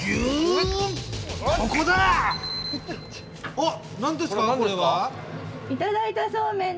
あ何ですかこれは？